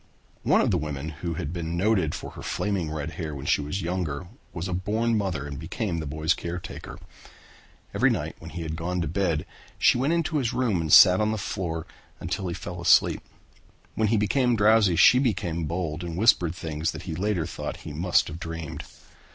One of the women who had been noted for her flaming red hair when she was younger was a born mother and became the boy's caretaker. Every night when he had gone to bed she went into his room and sat on the floor until he fell asleep. When he became drowsy she became bold and whispered things that he later thought he must have dreamed.